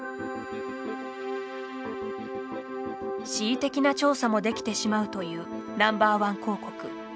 恣意的な調査もできてしまうというＮｏ．１広告。